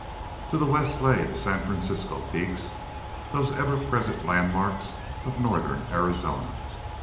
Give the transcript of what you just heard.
To the west lay the San Francisco Peaks, those ever present landmarks of northern Arizona.